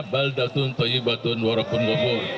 baldatun tayyibatun warahmunguhu